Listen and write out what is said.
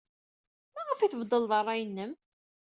Maɣef ay tbeddled ṛṛay-nnem?